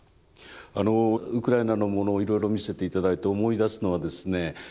あのウクライナのものをいろいろ見せて頂いて思い出すのはですね